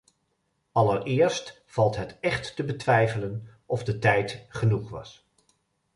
Allereerst valt het echt te betwijfelen of de tijd genoeg was.